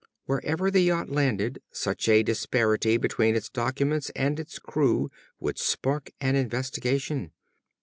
Wherever the yacht landed, such a disparity between its documents and its crew would spark an investigation.